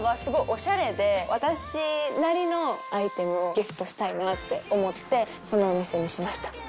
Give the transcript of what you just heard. オシャレで私なりのアイテムをギフトしたいなって思ってこのお店にしました。